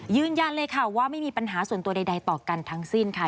ยืนยันเลยค่ะว่าไม่มีปัญหาส่วนตัวใดต่อกันทั้งสิ้นค่ะ